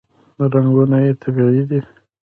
رنګونه یې طبیعي دي.